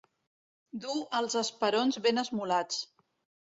Dur els esperons ben esmolats.